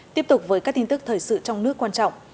tiếp tục với các tin tức thời sự trong nước quan trọng